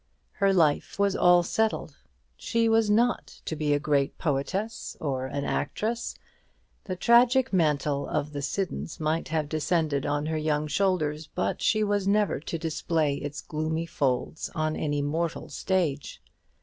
Her life was all settled. She was not to be a great poetess or an actress. The tragic mantle of the Siddons might have descended on her young shoulders, but she was never to display its gloomy folds on any mortal stage.